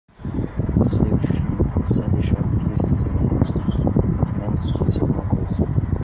Saiu de fininho, sem deixar pistas e nem rastros. Muito menos disse alguma coisa